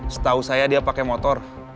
setahu saya dia pakai motor